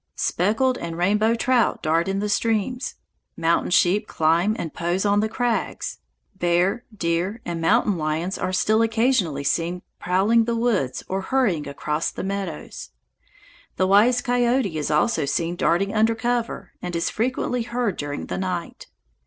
Speckled and rainbow trout dart in the streams. Mountain sheep climb and pose on the crags; bear, deer, and mountain lions are still occasionally seen prowling the woods or hurrying across the meadows. The wise coyote is also seen darting under cover, and is frequently heard during the night.